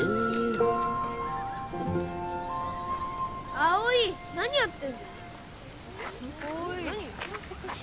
葵何やってんの？